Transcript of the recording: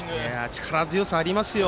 力強さがありますよ。